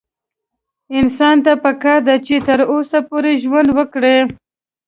انسان ته پکار ده چې تر وسه پورې ژوند وکړي